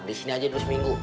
disini aja terus seminggu